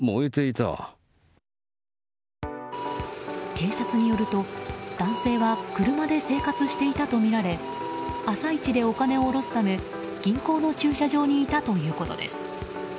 警察によると男性は車で生活していたとみられ朝一でお金を下ろすため銀行の駐車場にいたということです。